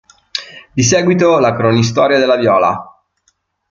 Di seguito la cronistoria della "Viola".